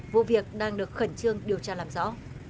vụ việc đang được khẩn trương điều tra làm rõ